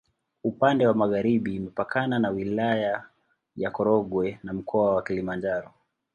Upande wa magharibi imepakana na Wilaya ya Korogwe na Mkoa wa Kilimanjaro.